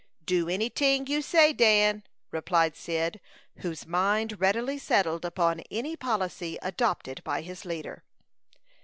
"Do any ting you say, Dan," replied Cyd whose mind readily settled upon any policy adopted by his leader.